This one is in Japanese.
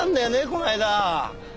この間。